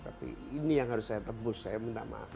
tapi ini yang harus saya tebus saya minta maaf